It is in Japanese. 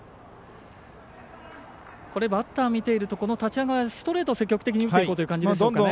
バッターを見ていると立ち上がりストレートを積極的に打っていこうという感じですかね。